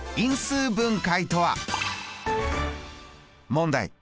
問題。